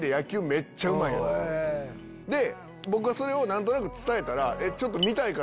僕がそれを何となく伝えたら。